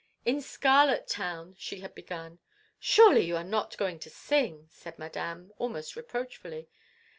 "In Scarlet Town—" she had begun. "Surely, you are not going to sing!" said Madame, almost reproachfully.